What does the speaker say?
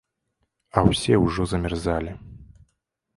А ўсе ўжо замярзалі.